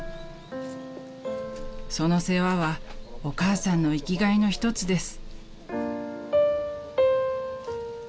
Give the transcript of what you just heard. ［その世話はお母さんの生きがいの１つです］